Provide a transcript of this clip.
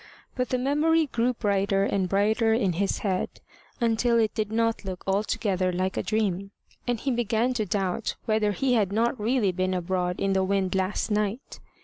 But the memory grew brighter and brighter in his head, until it did not look altogether like a dream, and he began to doubt whether he had not really been abroad in the wind last night.